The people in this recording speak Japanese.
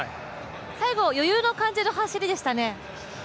最後余裕の感じの走りでしたね？